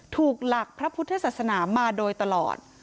ถูกหลักพระพุทธศาสนามาโดยตลอด